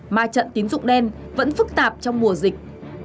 ma trận tín dụng đen vẫn phức tạp trong mùa dịch